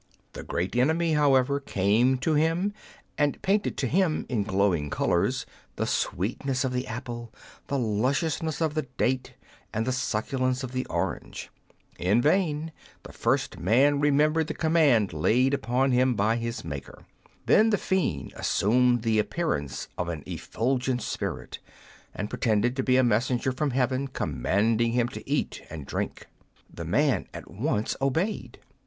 The great enemy, how ever, came to him, and painted to him in glowing colours the sweetness of the apple, the lusciousness of the date, and the succulence of the orange. In vain : the first man remembered the command laid 104 What are Women Made Of ? upon him by his Maker. Then the fiend assumed the appearance of an effulgent spirit, and pretended to be a messenger from heaven commanding him to eat and drink. The man at once obeyed.